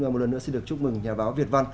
và một lần nữa xin được chúc mừng nhà báo việt văn